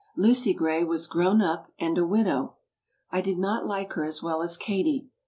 Lucy Gray was grown up and a widow! I did not like her as well as Katie.